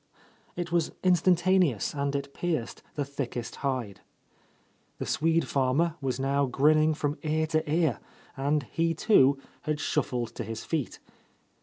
It was instantaneous, and it pierced the thickest hide. The Swede farmer was now grinning from ear to ear, and he, too, had shuffled to his feet.